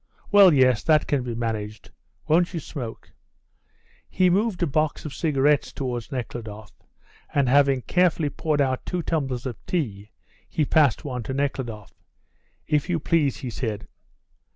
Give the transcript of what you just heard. Well, yes, that can be managed. Won't you smoke?" He moved a box of cigarettes towards Nekhludoff, and, having carefully poured out two tumblers of tea, he passed one to Nekhludoff. "If you please," he said.